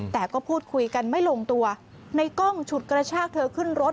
แต่ก็พูดคุยกันไม่ลงตัวในกล้องฉุดกระชากเธอขึ้นรถ